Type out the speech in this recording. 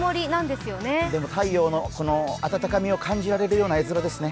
でも太陽の温かみを感じられるような絵づらですね。